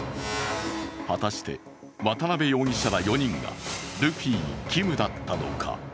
果たして渡辺容疑者ら４人がルフィキムだったのか。